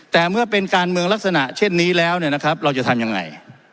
แต่เมื่อเป็นการเมืองลักษณะเช่นนี้แล้วเราจะทำอย่างไร